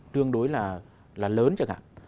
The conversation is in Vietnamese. tương đối là lớn chẳng hạn